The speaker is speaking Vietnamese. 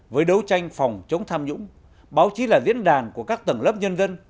với đấu tranh phòng chống tham nhũng báo chí là diễn đàn của các tầng lớp nhân dân